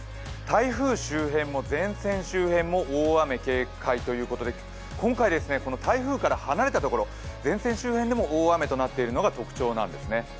台風周辺も前線周辺も大雨警戒ということで、今回台風から離れたところ、前線周辺でも大雨となっているのが特徴なんですね。